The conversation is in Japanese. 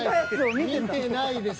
見てないです。